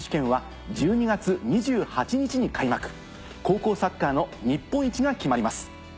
高校サッカーの日本一が決まります。